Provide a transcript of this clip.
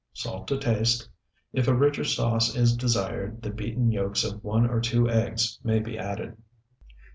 Salt to taste. If a richer sauce is desired the beaten yolks of one or two eggs may be added.